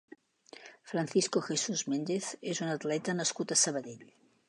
Francisco Jesús Méndez és un atleta nascut a Sabadell.